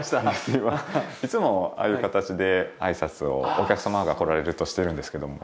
いつもああいう形で挨拶をお客様が来られるとしてるんですけども。